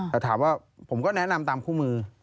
แต่ถามว่าผมก็แนะนำตามคู่มือ